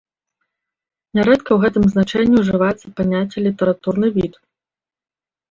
Нярэдка ў гэтым значэнні ўжываецца паняцце літаратурны від.